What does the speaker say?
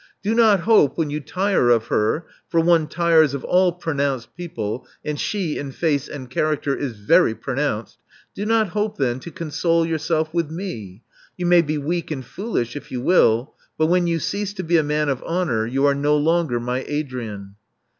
Do not hope, when you tire of her — for one tires of all pronounced people, and she, in face and character, is very pronounced — do not hope then to console yourself with me. You may be weak and foolish if you will ; but when you cease to be a man of honor, you are no longer my Adrian.